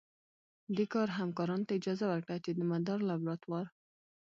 دې کار همکارانو ته اجازه ورکړه چې د مدار لابراتوار